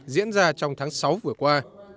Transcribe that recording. diễn ra trong tháng sáu vừa qua